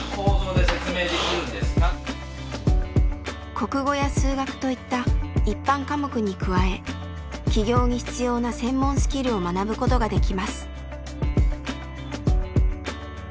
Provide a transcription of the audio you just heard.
国語や数学といった一般科目に加え起業に必要な専門スキルを学ぶことができます。